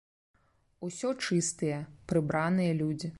Усё чыстыя, прыбраныя людзі.